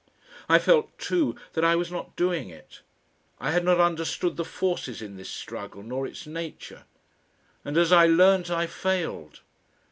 I felt too that I was not doing it. I had not understood the forces in this struggle nor its nature, and as I learnt I failed.